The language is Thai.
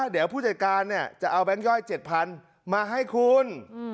เดี๋ยวผู้จัดการจะเอาแบงค์ย่อย๗๐๐มาให้คุณ